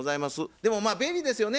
でもまあ便利ですよね